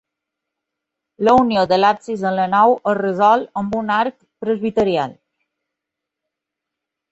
La unió de l'absis amb la nau es resol amb un arc presbiteral.